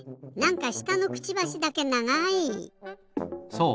そう。